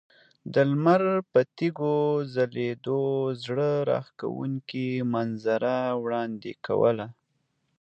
د لمر پر تیږو ځلیدو زړه راښکونکې منظره وړاندې کوله.